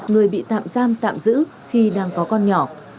người bị tạm giam tạm giữ khi đang có con nhỏ